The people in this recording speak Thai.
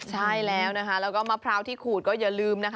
ใช่แล้วนะคะแล้วก็มะพร้าวที่ขูดก็อย่าลืมนะคะ